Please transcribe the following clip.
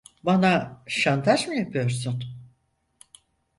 Bana şantaj mı yapıyorsun?